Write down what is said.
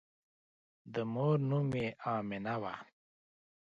د مور نوم یې آمنه وه.